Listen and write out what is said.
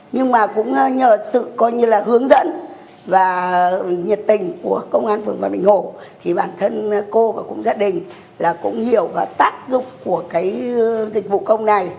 nhưng mà cũng nhờ sự hướng dẫn và nhiệt tình của công an phường phạm bình hồ thì bản thân cô và gia đình cũng hiểu và tác dụng của dịch vụ công này